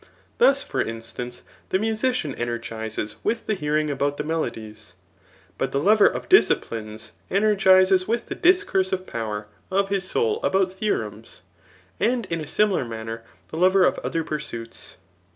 Thus, for instance, the musician energizes with the hearing about melodies, but the lover of disci plines energizes with the discursive power of his soul Digitized by Google CHAP. V. BTHIC8. 881 about theorems, and in a similar manner the lover of other pursuits.